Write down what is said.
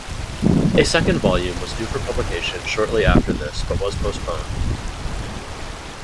A second volume was due for publication shortly after this but was postponed.